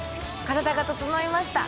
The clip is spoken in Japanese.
体が整いました。